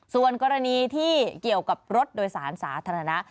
ส่วนกรณีที่เกี่ยวกับรถโดยสารสาธารณะ